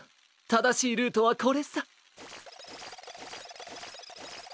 ただしいルートはこれさ！